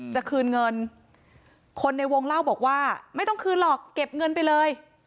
จะคืนเงินคนในวงเล่าบอกว่าไม่ต้องคืนหรอกเก็บเงินไปเลย